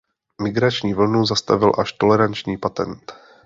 Migrační vlnu zastavil až toleranční patent.